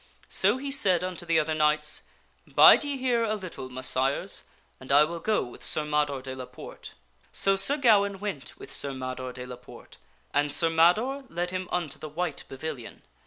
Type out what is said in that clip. So he said unto the other knights, " Bide ye here a little, Messires, and I will go with Sir Mador de la Porte." So Sir Gawaine went with Sir Mador de la Porte, and Sir Mador led him unto the white pavilion.